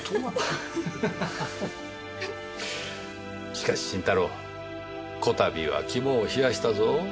しかし新太郎こたびは肝を冷やしたぞ。